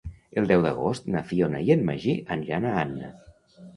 El deu d'agost na Fiona i en Magí aniran a Anna.